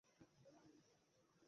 চলো এখান থেকে দ্রুত পালিয়ে যাই!